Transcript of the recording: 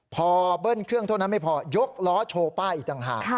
พอเบิ้ลเครื่องเท่านั้นไม่พอยกล้อโชว์ป้ายอีกต่างหาก